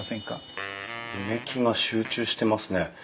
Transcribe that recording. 埋木が集中してますね。